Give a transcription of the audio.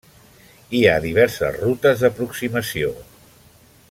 Hi ha diverses rutes d'aproximació.